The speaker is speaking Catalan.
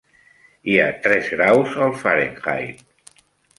Hi ha tres graus al Fahrenheit.